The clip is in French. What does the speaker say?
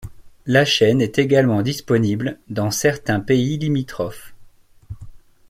La chaîne est également disponible dans certains pays limitrophes.